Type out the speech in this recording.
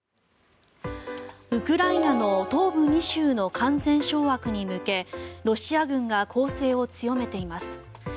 ウクライナの東部２州の完全掌握に向けロシア軍が攻勢を強めています。